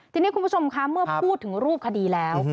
ทีนี้คุณผู้ชมคะเมื่อพูดถึงรูปคดีแล้ว